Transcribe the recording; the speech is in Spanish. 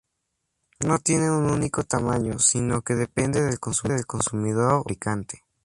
No tiene un único tamaño, sino que depende del consumidor o el fabricante.